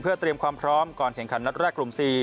เตรียมความพร้อมก่อนแข่งขันนัดแรกกลุ่ม๔